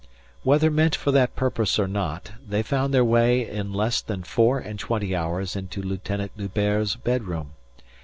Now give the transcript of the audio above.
Whether meant for that purpose or not, they found their way in less than four and twenty hours into Lieutenant D'Hubert's bedroom.